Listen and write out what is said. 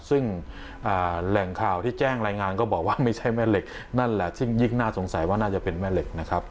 ซึ่งแหล่งข่าวที่แจ้งรายงานก็บอกว่าไม่ใช่แม่เหล็กนั่นแหละซึ่งยิ่งน่าสงสัยว่าน่าจะเป็นแม่เหล็กนะครับ